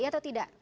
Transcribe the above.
iya atau tidak